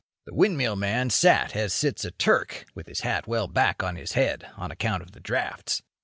The windmill man sat as sits a Turk, with his hat well back on his head on account of the draughts.